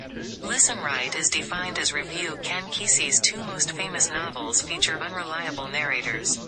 Ken Kesey's two most famous novels feature unreliable narrators.